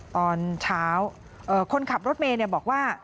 ตอนเช้าคนขับรถเมย์บอกว่า